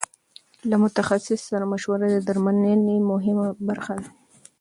له متخصص سره مشوره د درملنې مهمه برخه ده.